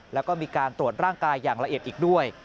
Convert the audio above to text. แล้วก็มีการตรวจร่างกายอย่างละเอียดอีกด้วย